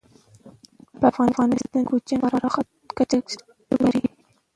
په افغانستان کې کوچیان په پراخه کچه شتون لري.